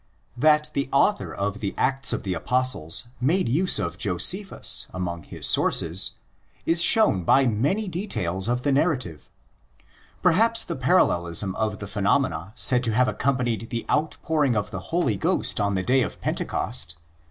That the author of the Acts of the Apostles made use of Josephus among his sources is shown by many details of the narrative. Perhaps the parallelism of the phenomena said to have accompanied the out pouring of the Holy Ghost on the day of Pentecost (ii.